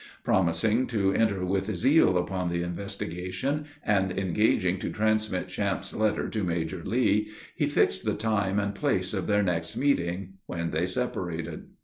Promising to enter with zeal upon the investigation, and engaging to transmit Champe's letters to Major Lee, he fixed the time and place of their next meeting, when they separated.